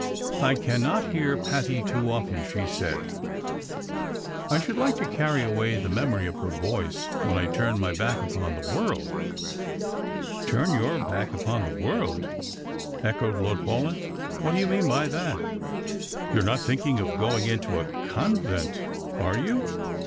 " I cannot hear Patti too often," she said ;" I should like to carry away the memory of her voice when I turn my back upon the world." "Turn your back upon the world !" echoed Lord Paulyn. " What do you mean by that ? You are not thinking of going into a convent, are you